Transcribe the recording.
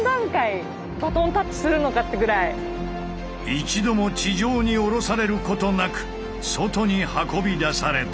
一度も地上におろされることなく外に運び出された。